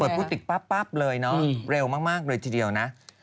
พูดติดปั๊บเลยเนาะเร็วมากเลยทีเดียวนะ